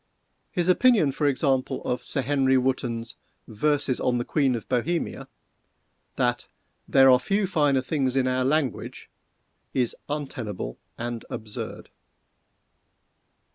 His opinion, for example, of Sir Henry Wotton's "Verses on the Queen of Bohemia"—that "there are few finer things in our language," is untenable and absurd.